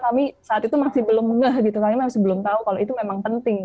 kami saat itu masih belum tahu kalau itu memang penting